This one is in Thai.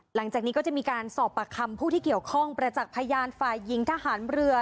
หลังจากนี้ก็จะมีการสอบปากคำผู้ที่เกี่ยวข้องประจักษ์พยานฝ่ายหญิงทหารเรือ